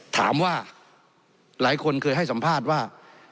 ถามว่าหลายคนเคยให้สัมภาษณ์ว่า